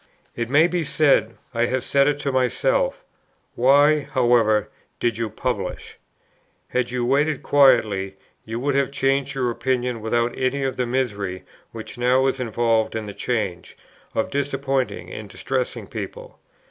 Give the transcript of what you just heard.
"It may be said, I have said it to myself, 'Why, however, did you publish? had you waited quietly, you would have changed your opinion without any of the misery, which now is involved in the change, of disappointing and distressing people.'